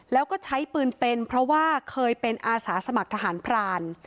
แล้วก็ใช้ปืนเป็นเพราะว่าเคยเป็นอาสาสมัครทหารพราน